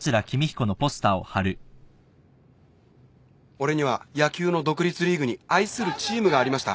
俺には野球の独立リーグに愛するチームがありました。